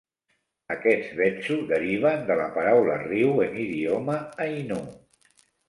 Aquests "betsu" deriven de la paraula "riu" en l'idioma ainu.